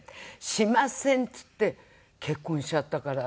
「しません」っつって結婚しちゃったから。